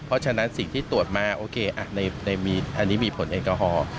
เพราะฉะนั้นสิ่งที่ตรวจมาโอเคอันนี้มีผลแอลกอฮอล์